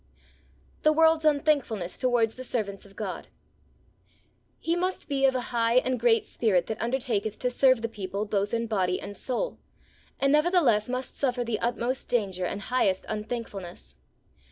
The World's Unthankfulness towards the Servants of God. He must be of a high and great spirit that undertaketh to serve the people both in body and soul, and nevertheless must suffer the utmost danger and highest unthankfulness.